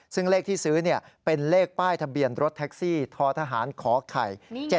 ซึ่งเลขที่ซื้อเป็นเลขป้ายทะเบียนรถแท็กซี่ททหารขอไข่๗๗